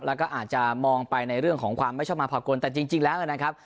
แล้วก็อาจจะมองไปในเรื่องของความไม่ชอบมาภากลแต่จริงแล้วนะครับ